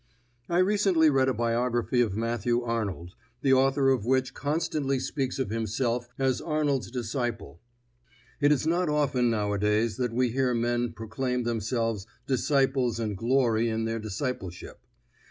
I recently read a biography of Matthew Arnold, the author of which constantly speaks of himself as Arnold's disciple. It is not often nowadays that we hear men proclaim themselves disciples and glory in their discipleship.